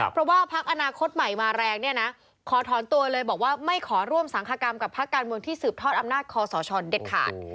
เพราะว่าพักอนาคตใหม่มาแรงเนี่ยนะขอถอนตัวเลยบอกว่าไม่ขอร่วมสังคกรรมกับพักการเมืองที่สืบทอดอำนาจคอสชเด็ดขาด